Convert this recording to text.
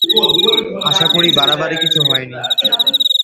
আশা করি বাড়াবাড়ি কিছু হয়নি।